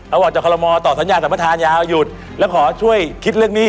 เอาออกจากกรมธมตอบสัญญาณสัมภาษณ์อย่าเอาหยุดแล้วขอช่วยคิดเรื่องนี้